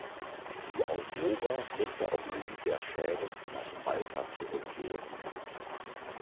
Die "Aurora" musste aufgrund der Schäden nach Malta zurückkehren.